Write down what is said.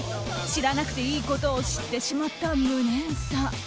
知らなくていいことを知ってしまった無念さ。